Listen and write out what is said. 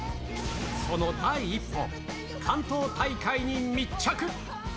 その第一歩、関東大会に密着。